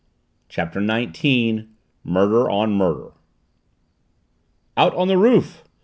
CHAPTER NINETEEN MURDER ON MURDER "Out on the roof!"